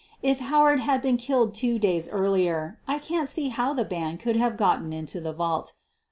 If Howard had been killed two days earlier, I can't see how the band could have gotten into the vault.